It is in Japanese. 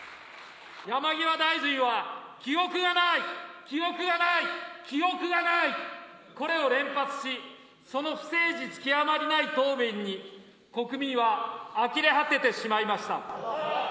山際大臣は、記憶がない、記憶がない、記憶がない、これを連発し、その不誠実極まりない答弁に、国民はあきれ果ててしまいました。